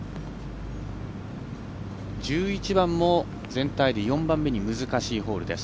１１番も全体で４番目に難しいホールです。